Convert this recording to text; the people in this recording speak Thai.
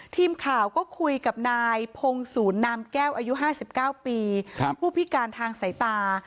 ทีมข่าวก็คุยกับนายพงศูนนามแก้วอายุ๕๙ปีผู้พิการทางสายตา